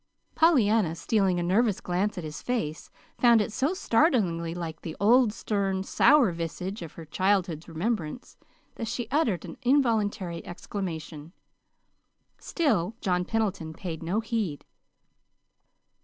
Pollyanna, stealing a nervous glance at his face found it so startlingly like the old stern, sour visage of her childhood's remembrance, that she uttered an involuntary exclamation. Still John Pendleton paid no heed.